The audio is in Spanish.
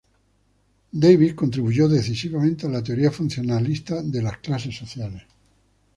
K. Davis contribuyó decisivamente a la teoría funcionalista de las clases sociales.